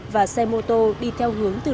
và xe mô tô đi theo hướng từ